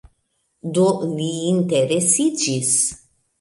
Do, li interesiĝis